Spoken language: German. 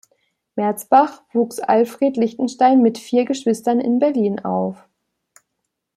Merzbach, wuchs Alfred Lichtenstein mit vier Geschwistern in Berlin auf.